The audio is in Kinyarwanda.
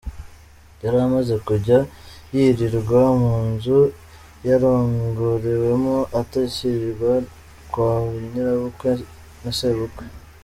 Yari amaze kujya yirirwa mu nzu yarongorewemo, atakirirwa kwa nyirabukwe na sebukwe.